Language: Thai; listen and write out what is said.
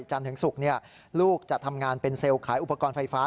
จันทร์ถึงศุกร์ลูกจะทำงานเป็นเซลล์ขายอุปกรณ์ไฟฟ้า